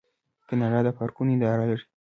کاناډا د پارکونو اداره لري.